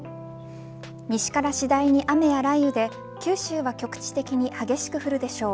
西から次第に雨や雷雨で九州は局地的に激しく降るでしょう。